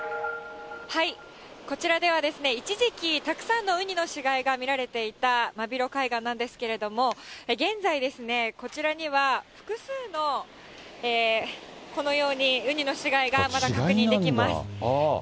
こちらでは、一時期たくさんのウニの死骸が見られていた末広海岸なんですが、現在ですね、こちらには複数のこのようにウニの死骸がまだ確認できます。